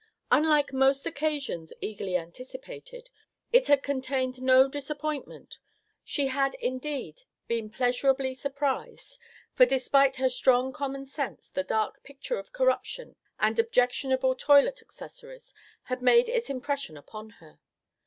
Unlike most occasions eagerly anticipated, it had contained no disappointment; she had, indeed, been pleasurably surprised, for despite her strong common sense the dark picture of corruption and objectionable toilet accessories had made its impression upon her.